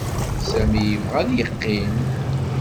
Sami yebɣa ad yeqqim.